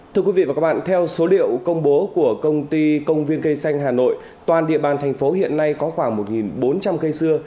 thưa quý vị và các bạn theo số liệu công bố của công ty công viên cây xanh hà nội toàn địa bàn thành phố hiện nay có khoảng một bốn trăm linh cây xưa